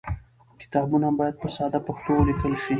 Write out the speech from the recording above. کتابونه باید په ساده پښتو ولیکل شي.